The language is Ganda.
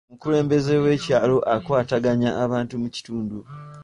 Omukulembeze w'ekyalo akwataganya abantu mu kitundu.